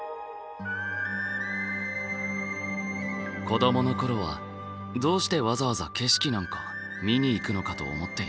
子どもの頃はどうしてわざわざ景色なんか見に行くのかと思っていた。